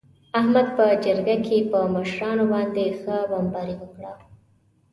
احمد په جرگه کې په مشرانو باندې ښه بمباري وکړه.